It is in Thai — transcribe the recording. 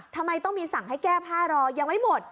ทำไมต้องมีสั่งให้แก้ผ้ารอยังไม่หมด